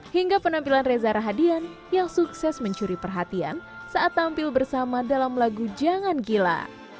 hingga penampilan reza rahadian yang sukses mencuri perhatian saat tampil bersama dalam lagu jangan gila